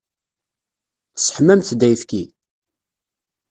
Tesseḥmamt-d ayefki?